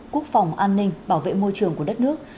quốc phòng an ninh bảo vệ môi trường của đất nước